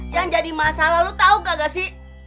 yang jadi masalah lu tau gak gak sih